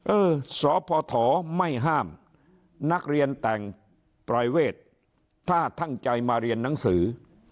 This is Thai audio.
เออสพไม่ห้ามนักเรียนแต่งปรายเวทถ้าตั้งใจมาเรียนหนังสือ